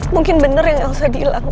mungkin bener ya gak usah diilang